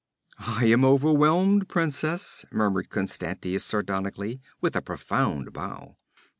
'I am overwhelmed, princess,' murmured Constantius sardonically, with a profound bow.